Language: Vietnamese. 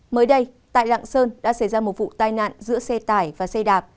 mới đây tại lạng sơn đã xảy ra một vụ tai nạn giữa xe tải và xe đạp